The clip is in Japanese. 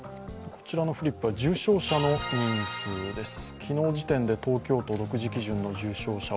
こちらのフリップは重症者の人数です。